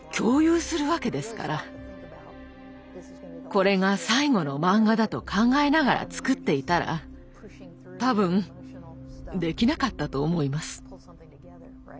これが最後のマンガだと考えながら作っていたら多分できなかったと思います。